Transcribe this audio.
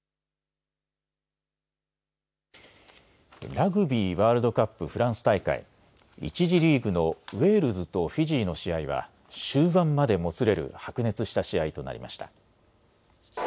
ラグビーワールドカップフランス大会、１次リーグのウェールズとフィジーの試合は終盤までもつれる白熱した試合となりました。